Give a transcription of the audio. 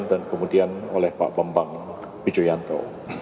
dan kemudian oleh pak bambang wijo yanto